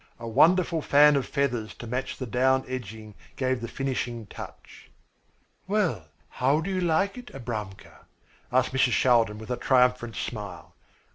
A wonderful fan of feathers to match the down edging gave the finishing touch. "Well, how do you like it, Abramka!" asked Mrs. Shaldin with a triumphant smile.